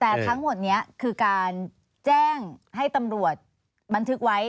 แต่ทั้งหมดนี้คือการแจ้งให้ตำรวจบันทึกไว้